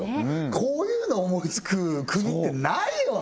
こういうの思いつく国ってないよね